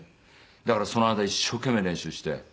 だからその間一生懸命練習して。